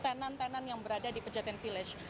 tenan tenan yang berada di pejaten village